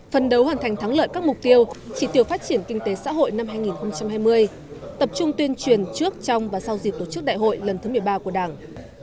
phần đấu hoàn thành thắng lợi các mục tiêu chỉ tiêu phát triển kinh tế xã hội năm hai nghìn hai mươi tập trung tuyên truyền trước trong và sau dịp tổ chức đại hội lần thứ một mươi ba của đảng